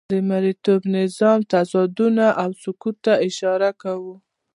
د مرئیتوب نظام تضادونه او سقوط ته اشاره کوو.